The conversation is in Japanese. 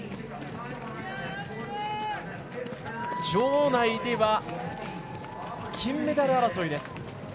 場内では金メダル争いです。